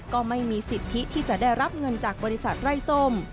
ก็ไม่มีสิทธิที่จะได้รับเงินจากบริษัทไร้ส้ม